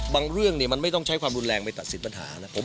เรื่องมันไม่ต้องใช้ความรุนแรงไปตัดสินปัญหานะครับ